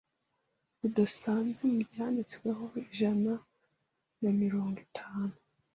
budasanzwe mubyanditsweho ijana na mirongo itanu